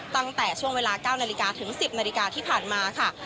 ตั้งแต่ช่วงเวลา๙นาฬิกาถึง๑๐นาฬิกาที่ผ่านมาค่ะ